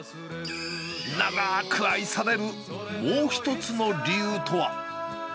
長く愛されるもう一つの理由とは。